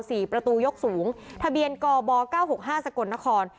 สี่ประตูยกสูงทะเบียนกอบบ๑๙๗๖สะกนหขอน